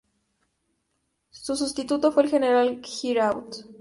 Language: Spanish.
Su sustituto fue el general Giraud.